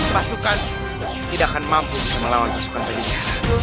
pasukan tidak akan mampu bisa melawan pasukan terdiri